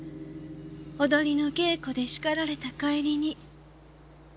踊りの稽古でしかられた帰りに。